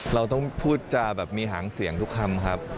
เราต้องพูดจาแบบมีหางเสียงทุกคำครับ